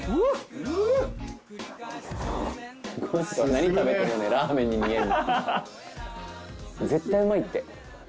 何食べてもラーメンに見えるの。